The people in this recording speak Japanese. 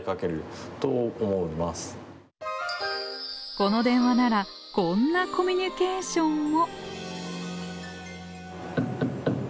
この電話ならこんなコミュニケーションも。